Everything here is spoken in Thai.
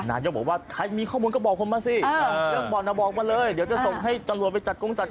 นายกบอกว่าใครมีข้อมูลก็บอกผมมาสิเรื่องบ่อนบอกมาเลยเดี๋ยวจะส่งให้ตำรวจไปจัดกงจัด